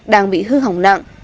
đang bị hư hỏng nặng